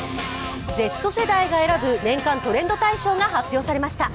Ｚ世代が選ぶ年間トレンド大賞が発表されました。